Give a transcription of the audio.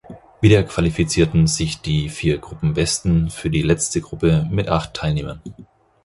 Wieder qualifizierten sich die vier Gruppenbesten für die letzte Gruppe mit acht Teilnehmern.